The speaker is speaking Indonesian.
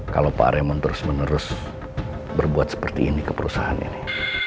kalau pak areman terus menerus berbuat seperti ini ke perusahaan ini